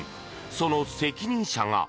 その責任者が。